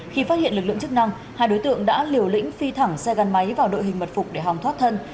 khi phát hiện lực lượng chức năng hai đối tượng đã liều lĩnh phi thẳng xe gắn máy vào đội hình mật phục để hòng thoát thân